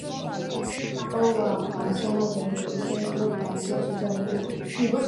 欧瓦黄藓为油藓科黄藓属下的一个种。